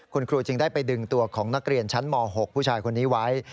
คุณครูจึงได้ไปดึงตัวของนักเรียนชั้นม๖ผู้ชายคนนี้ไว้